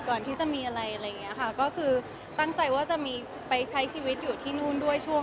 ก่อนที่จะมีอะไรอะไรอย่างเงี้ยค่ะก็คือตั้งใจว่าจะมีไปใช้ชีวิตอยู่ที่นู่นด้วยช่วง